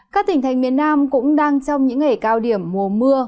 các tỉnh thành miền nam cũng đang trong những ngày cao điểm mùa mưa